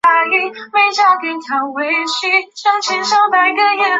金德贤出生于平安南道。